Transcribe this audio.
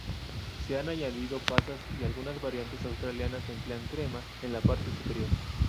Se han añadido pasas y algunas variantes australianas emplean crema en la parte superior.